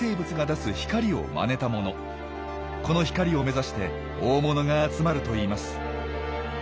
この光を目指して大物が集まるといいます。